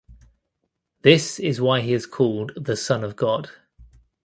This is why he is called the Son of God.